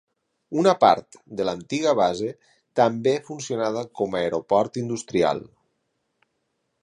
Una part de l'antiga base també funcionada com a aeroport industrial.